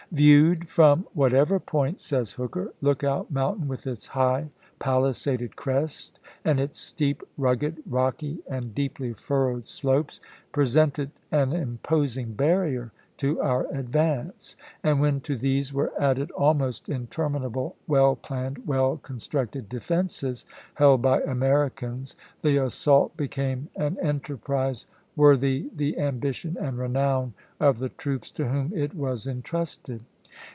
" Viewed from whatever point," says Hooker, "Lookout Mountain, with its high, palisaded crest and its steep, rugged, rocky, and deeply furrowed slopes, presented an imposing barrier to our advance ; and when to these were Hooker, ' Report. added almost interminable well planned, well con StLt structed defenses, held by Americans, the assault committee became an enterprise worthy the ambition and of the°war^ renown of the troops to whom it was intrusted."